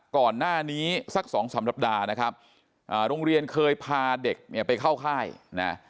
ก่อนหน้านี้สักสองสามสัปดาห์นะครับโรงเรียนเคยพาเด็กเนี่ยไปเข้าค่ายนะ